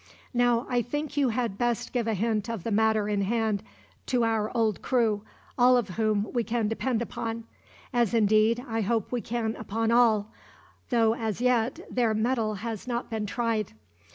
"Now I think you had best give a hint of the matter in hand to our old crew, all of whom we can depend upon; as indeed, I hope we can upon all, though as yet their mettle has not been tried.